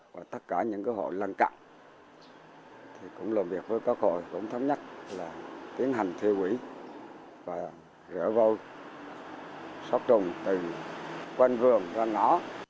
và tất cả những cái hộ lăn cặn cũng làm việc với các hộ cũng thấm nhắc là tiến hành thiêu ủy và rửa vôi xót trùng từ quanh vườn ra ngõ